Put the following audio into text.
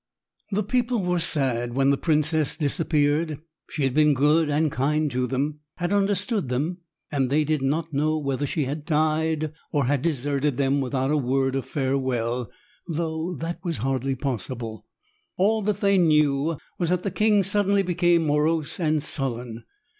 II. The people were sad when the princess disappeared. She had been good and kind to them, had understood them, and they did not know whether she had died, or had deserted them without a word of farewell, though that was hardly possible. All that they knew was that the king suddenly became morose and sullen.